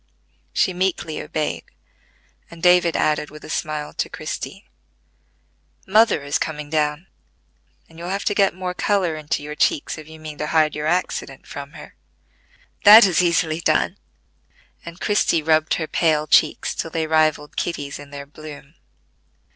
She meekly obeyed; and David added with a smile to Christie: "Mother is coming down, and you'll have to get more color into your checks if you mean to hide your accident from her." "That is easily done;" and Christie rubbed her pale cheeks till they rivalled Kitty's in their bloom.